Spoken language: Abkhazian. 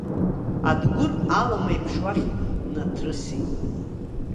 Адгәыр алым еиԥш уахь днаҭрысит.